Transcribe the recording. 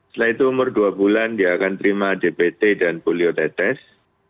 setelah itu umur dua bulan dia akan terima dpt dan poliotetes